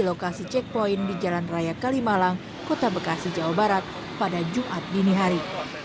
lokasi checkpoint di jalan raya kalimalang kota bekasi jawa barat pada jumat dini hari